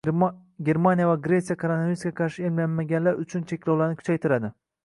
Germaniya va Gretsiya koronavirusga qarshi emlanmaganlar uchun cheklovlarni kuchaytiradi